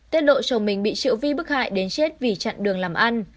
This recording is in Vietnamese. tết lộ chồng mình bị triệu vi bức hại đến chết vì chặn đường làm ăn